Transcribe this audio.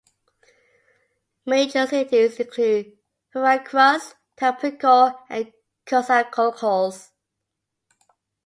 Major cities include Veracruz, Tampico, and Coatzacoalcos.